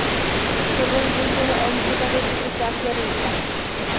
কেবল দুইজনে অন্ধকারের দিকে চাহিয়া রহিলাম।